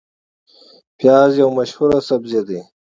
پیاز یو مشهور سبزی دی